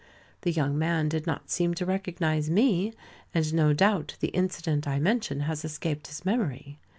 The young man did not seem to recognize me, and no doubt the incident I mention has escaped his memory.